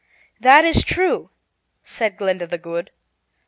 "That is true," said Glinda the Good.